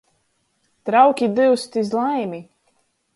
Trauki duzt iz laimi!